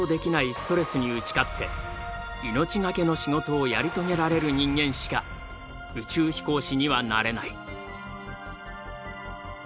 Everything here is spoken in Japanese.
ストレスに打ち勝って命がけの仕事をやり遂げられる人間しか宇宙飛行士にはなれない。